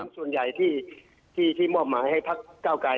ส่วนใหญ่ที่มอบหมายให้พักเก้าไกร